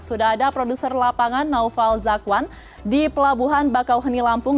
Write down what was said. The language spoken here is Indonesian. sudah ada produser lapangan naufal zakwan di pelabuhan bakauheni lampung